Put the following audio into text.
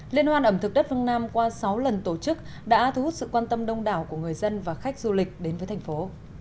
liên hoan ẩm thực đất phương nam qua sáu lần tổ chức đã thu hút sự quan tâm đông đảo của người dân và khách du lịch đến với thành phố